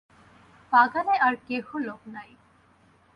বাগানে আর কেহ লোক নাই।